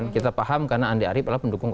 kita paham karena andi arief adalah pendukung